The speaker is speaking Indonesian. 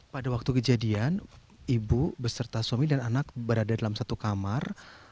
pada waktu kejadian ibu beserta suami dan anak berada dalam satu kamar